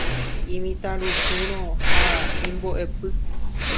Imitãrusúrõ ha imbo'epy.